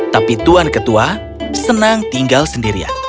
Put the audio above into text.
tapi tuan ketua senang tinggal sendirian